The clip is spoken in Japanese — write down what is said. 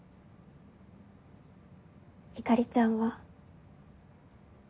ひかりちゃんは。